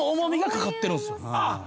あっ！